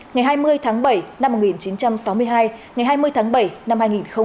ngày hai mươi tháng bảy năm một nghìn chín trăm sáu mươi hai ngày hai mươi tháng bảy năm hai nghìn hai mươi